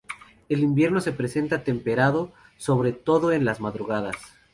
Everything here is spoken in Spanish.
El invierno se presenta temperado, sobre todo en las madrugadas.